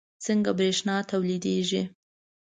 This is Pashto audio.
څنګه بریښنا تولیدیږي